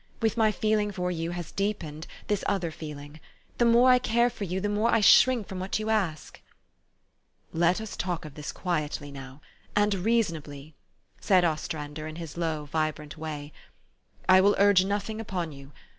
With my feeling for you has deepened this other feeling. The more I care for you, the more I shrink from what you ask." " Let us talk of this quietly now, and reasonably," said Ostrander in his low, vibrant way. "I will urge nothing upon }'ou.